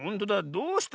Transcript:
どうした？